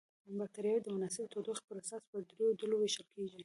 بکټریاوې د مناسبې تودوخې پر اساس په دریو ډلو ویشل کیږي.